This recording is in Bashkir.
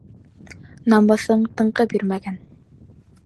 Намыҫың тынғы бирмәгән!